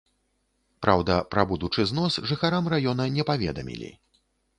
Праўда, пра будучы знос жыхарам раёна не паведамілі.